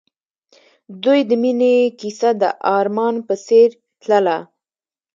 د دوی د مینې کیسه د آرمان په څېر تلله.